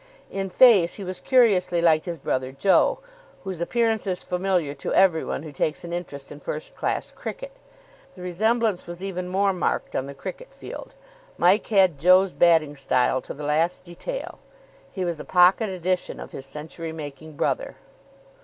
In face, he was curiously like his brother Joe, whose appearance is familiar to every one who takes an interest in first class cricket. The resemblance was even more marked on the cricket field. Mike had Joe's batting style to the last detail. He was a pocket edition of his century making brother.